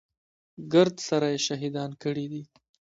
ګرد سره يې شهيدان کړي دي.